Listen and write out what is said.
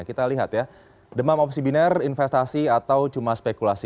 kita lihat ya demam opsi biner investasi atau cuma spekulasi